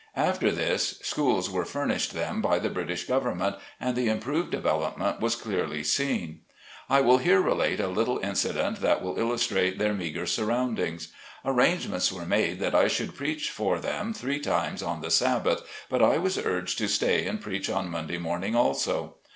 After this schools were furnished them by the British Government, and the improved development was clearly seen. I will here relate a little incident that will illus trate their megre surroundings. Arrangements were made that I should preach for them three times on the Sabbath, but I was urged to stay and preach on Monday morning, also.